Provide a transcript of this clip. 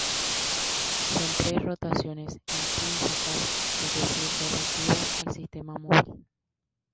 Son tres rotaciones intrínsecas, es decir, relativas al sistema móvil.